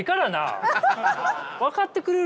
分かってくれるかな？